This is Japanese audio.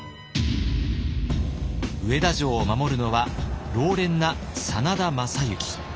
上田城を守るのは老練な真田昌幸。